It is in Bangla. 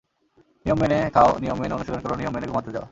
নিয়ম মেনে খাও, নিয়ম মেনে অনুশীলন কর, নিয়ম মেনে ঘুমাতে যাও।